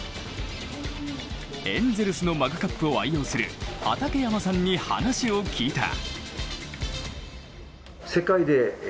エンゼルスのマグカップを愛用する畠山さんに話を聞いた。